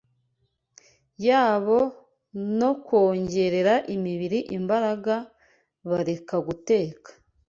yabo no kongerera imibiri imbaraga bareka guteka